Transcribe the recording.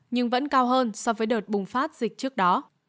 nhưng vẫn cao hơn so với đợt bùng phát dịch trước đó